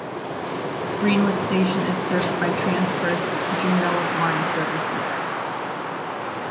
Greenwood station is served by Transperth Joondalup line services.